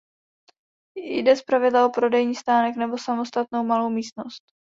Jde zpravidla o prodejní stánek nebo samostatnou malou místnost.